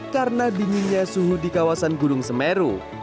karena dinginnya suhu di kawasan gunung semeru